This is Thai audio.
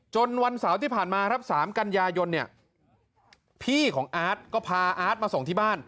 วันเสาร์ที่ผ่านมาครับ๓กันยายนเนี่ยพี่ของอาร์ตก็พาอาร์ตมาส่งที่บ้าน